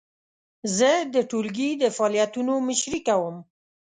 زه د ټولګي د فعالیتونو مشري کوم.